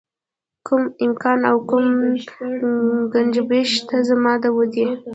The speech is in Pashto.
کوم امکان او کوم ګنجایش شته زما د ودې.